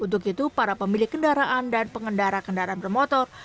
untuk itu para pemilik kendaraan dan pengendara kendaraan bermotor